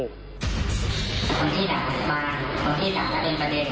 ความที่สามารถบ้านความที่สามารถเป็นประเด็น